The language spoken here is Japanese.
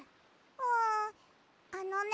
んあのね